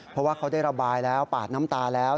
เพราะว่าเขาได้ระบายแล้วปาดน้ำตาแล้ว